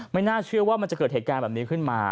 ไม่น่าเชื่อว่ามันจะเกิดเหตุการณ์แบบนี้ขึ้นมา